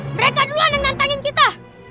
mereka duluan yang nantangin kita